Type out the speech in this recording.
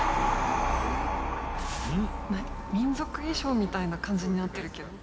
民族衣装みたいな感じになってるけど。